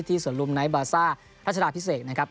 สวนลุมไนท์บาซ่ารัชดาพิเศษนะครับ